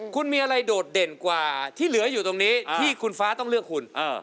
คุณมีอะไรโดดเด่นกว่าที่เหลืออยู่ตรงนี้ที่คุณฟ้าต้องเลือกคุณ